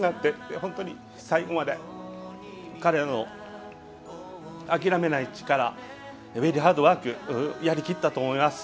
本当に最後まで彼らの諦めない力ベリーハードワークやりきったと思います。